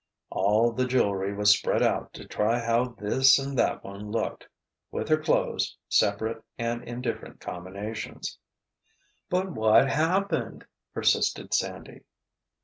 "All the jewelry was spread out to try how this and that one looked, with her clothes, separate and in different combinations." "But what happened?" persisted Sandy.